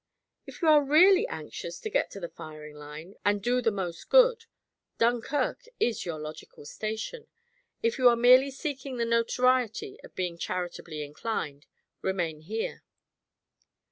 "If you are really anxious to get to the firing line and do the most good, Dunkirk is your logical station. If you are merely seeking the notoriety of being charitably inclined, remain here."